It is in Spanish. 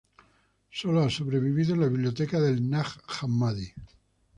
Sólo ha sobrevivido en la biblioteca del Nag Hammadi.